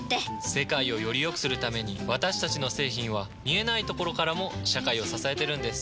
世界をよりよくするために私たちの製品は見えないところからも社会を支えてるんです。